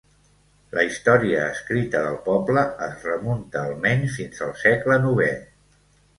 La història escrita del poble es remunta almenys fins al segle novè.